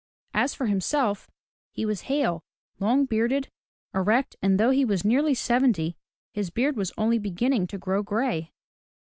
As for himself, he was hale, long bearded, erect, and though he was nearly seventy, his beard was only beginning to grow gray.